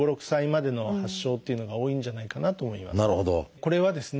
これはですね